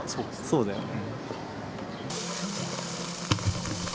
そうだよね。